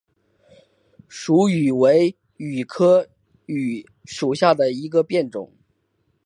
蜀榆为榆科榆属下的一个变种。